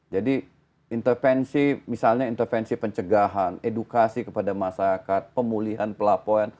jadi intervensi misalnya intervensi pencegahan edukasi kepada masyarakat pemulihan pelaporan